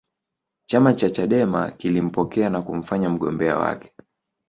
chama cha chadema kilimpokea na kumfanya mgombea wake